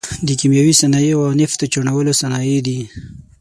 د کیمیاوي صنایعو او نفتو چاڼولو صنایع دي.